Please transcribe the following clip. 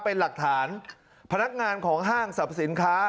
เป็นหลักฐานพนักงานของห้างสรรพสินค้า